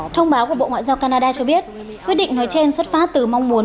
thông báo của bộ ngoại giao canada cho biết quyết định nói trên xuất phát từ mong muốn